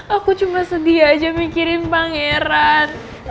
aku cuma sedih aja mikirin pangeran